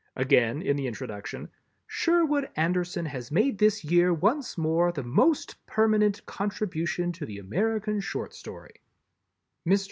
Again, in the introduction, "Sherwood Anderson has made this year once more the most permanent contribution to the American Short Story." Mr.